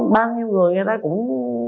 bao nhiêu người người ta cũng